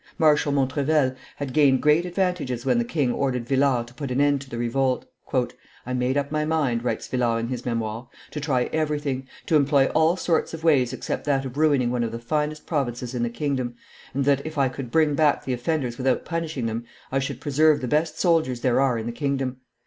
Marshal Montrevel had gained great advantages when the king ordered Villars to put an end to the revolt. "I made up my mind," writes Villars, in his Memoires, "to try everything, to employ all sorts of ways except that of ruining one of the finest provinces in the kingdom, and that, if I could bring back the offenders without punishing them, I should preserve the best soldiers there are in the kingdom.